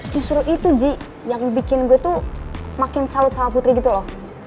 justru itu ji yang bikin gue tuh makin salut sama putri gitu loh